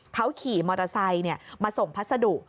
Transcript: เขาขี่มอเตอร์ไซค์มาส่งพัสดุ